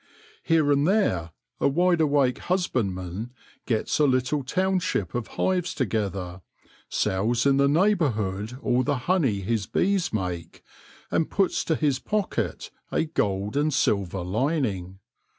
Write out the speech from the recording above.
Here and there a wide awake husbandman gets a little township of hives together, sells in the neigh bourhood all the honey his bees make, and puts to his pocket a gold and silver lining.